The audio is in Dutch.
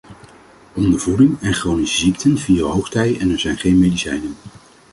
Ondervoeding en chronische ziekten vieren hoogtij en er zijn geen medicijnen.